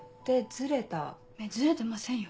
ズレてませんよ。